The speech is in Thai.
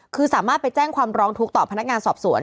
คือสามารถไปแจ้งความร้องทุกข์ต่อพนักงานสอบสวน